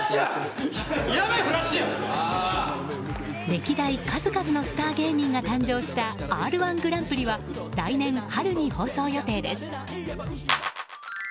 歴代数々のスター芸人が誕生した「Ｒ‐１グランプリ」は来年春に放送予定です。